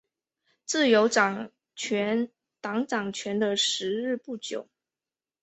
自由党掌权的时日不久。